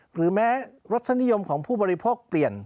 หรือแม้รสนิยมของผู้บริโภคเปลี่ยน